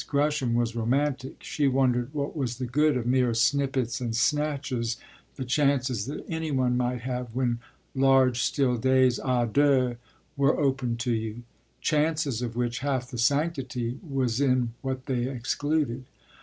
Gresham was romantic; she wondered what was the good of mere snippets and snatches, the chances that any one might have, when large, still days à deux were open to you chances of which half the sanctity was in what they excluded.